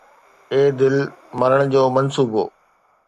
اي دل، مرڻ جو منصوبو